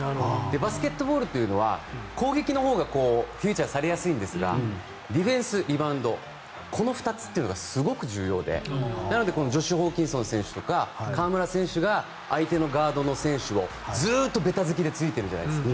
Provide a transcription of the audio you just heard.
バスケットボールというのは攻撃のほうがフィーチャーされやすいんですがディフェンス、リバウンドこの２つというのがすごく重要でなのでジョシュ・ホーキンソン選手とか河村選手が相手のガードの選手をずっとべた付きでついてるじゃないですか。